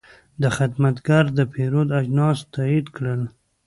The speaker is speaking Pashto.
دا خدمتګر د پیرود اجناس تایید کړل.